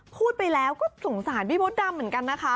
พูดไปแล้วก็สงสารพี่มดดำเหมือนกันนะคะ